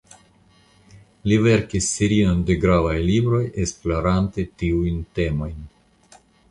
Li verkis serion de gravaj libroj esplorante tiujn temojn.